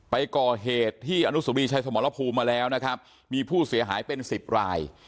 ไปก่อเหตุที่อนุสุรีชัยสมรภูมิมาแล้วนะครับมีผู้เสียหายเป็นสิบราย